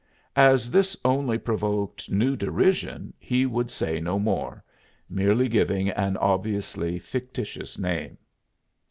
As this only provoked new derision he would say no more, merely giving an obviously fictitious name.